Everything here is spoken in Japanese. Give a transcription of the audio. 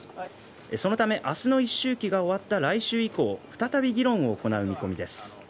そのため明日の一周忌が終わった来週以降再び議論を行う見込みです。